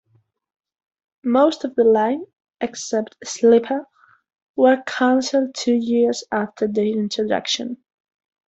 Most of the line, except "Sleeper", were canceled two years after their introduction.